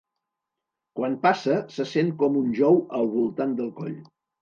Quan passa, se sent com un jou al voltant del coll.